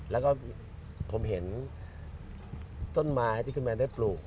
แล้วก็ผมเห็นต้นไม้ที่คุณแมนได้ปลูก